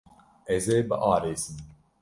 Ez ê biarêsim.